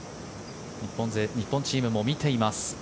日本チームも見ています。